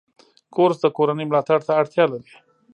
کورس د کورنۍ ملاتړ ته اړتیا لري.